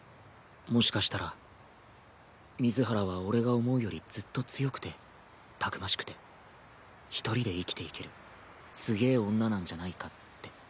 もしかしたら水原は俺が思うよりずっと強くてたくましくて一人で生きていけるすげぇ女なんじゃないかって。